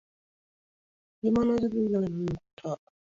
Lima is known to bring a Bible with her backstage before she goes onstage.